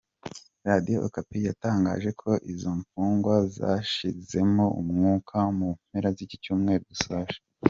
Radiyo Okapi yatangaje ko izo mfungwa zashizemo umwuka mu mpera z’icyumweru dusoje.